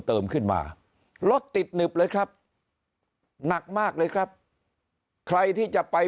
เติมขึ้นมารถติดหนึบเลยครับหนักมากเลยครับใครที่จะไป